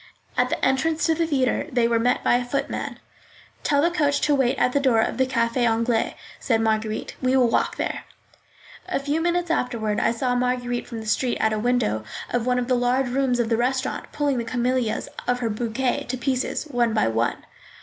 At the entrance to the theatre they were met by a footman. "Tell the coachman to wait at the door of the Café Anglais," said Marguerite. "We will walk there." A few minutes afterward I saw Marguerite from the street at a window of one of the large rooms of the restaurant, pulling the camellias of her bouquet to pieces, one by one.